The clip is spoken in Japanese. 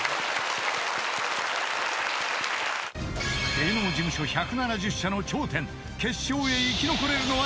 ［芸能事務所１７０社の頂点決勝へ生き残れるのはただ一人］